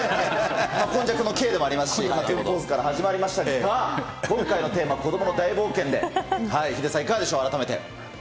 今昔のＫでもありますし、Ｋポーズから始まりましたが、今回のテーマ、子どもの大冒険で、ヒデさん、いかがでしょう、改めて。